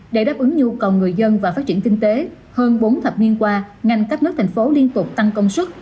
để đáp ứng nhu cầu người dân và phát triển kinh tế hơn bốn thập niên qua ngành cấp nước thành phố liên tục tăng công suất